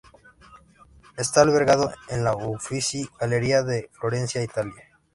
Está albergado en la Uffizi Galería de Florencia, Italia.